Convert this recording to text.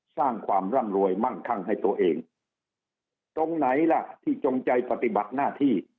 สร้างความร่ำรวยมั่งคั่งให้ตัวเองตรงไหนล่ะที่จงใจปฏิบัติหน้าที่